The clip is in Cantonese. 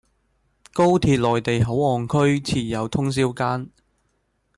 高鐵內地口岸區設有通宵更